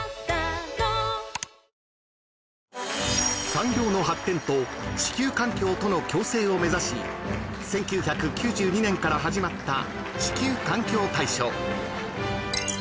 ［産業の発展と地球環境との共生を目指し１９９２年から始まった地球環境大賞］